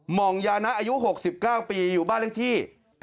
หมองยานะอายุ๖๙ปีอยู่บ้านเลขที่